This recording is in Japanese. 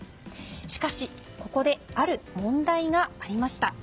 しかし、ここである問題がありました。